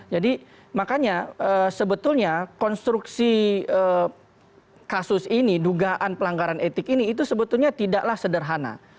jadi makanya sebetulnya konstruksi kasus ini dugaan pelanggaran etik ini itu sebetulnya tidaklah sederhana